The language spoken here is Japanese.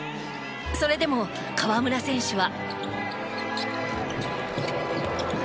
それでも、河村選手は。